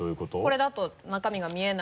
これだと中身が見えないので。